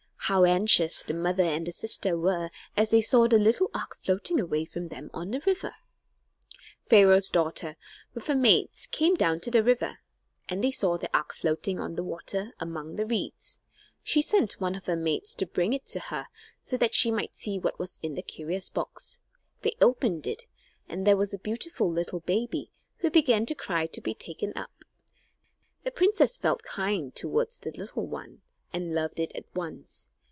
How anxious the mother and the sister were as they saw the little ark floating away from them on the river! [Illustration: She placed her baby in the ark] Pharaoh's daughter, with her maids, came down to the river, and they saw the ark floating on the water, among the reeds. She sent one of her maids to bring it to her so that she might see what was in the curious box. They opened it, and there was a beautiful little baby, who began to cry to be taken up. The princess felt kind toward the little one, and loved it at once.